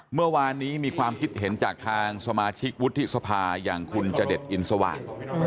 เมื่อวานนี้มีความคิดเห็นจากทางสมาชิกวุฒิสภาอย่างคุณจเดชอินสวาส